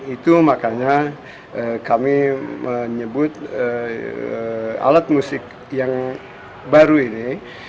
itu makanya kami menyebut alat musik yang baru ini